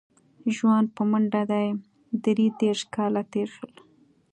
ژوند په منډه دی درې دېرش کاله تېر شول.